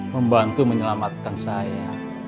membantu menyelamatkan saya